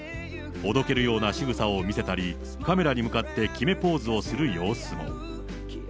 おどけるようなしぐさを見せたり、カメラに向かって決めポーズをする様子も。